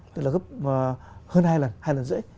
tức là gấp hơn hai lần hai lần rưỡi